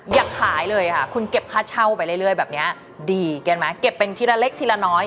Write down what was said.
อยากขายเลยค่ะคุณเก็บค่าเช่าไปเรื่อยแบบนี้ดีกันไหมเก็บเป็นทีละเล็กทีละน้อย